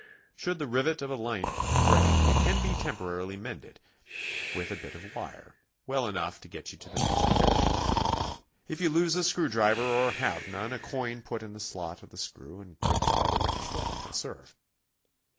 Should the rivet of a link break, it can be temporarily mended with a bit of wire, well enough to get you to the next repair shop. If you lose a screw driver or have none, a coin put in the slot of the screw and gripped by the wrench will often serve.